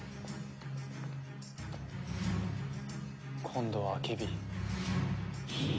今度はアケビ。